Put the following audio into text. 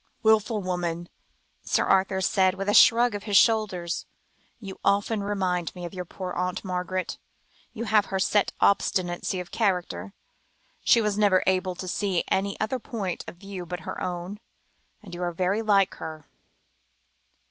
"Wilful woman," Sir Arthur said, with a shrug of the shoulders; "you often remind me of your poor Aunt Margaret. You have her set obstinacy of character. She was never able to see any other point of view but her own, and you are very like her."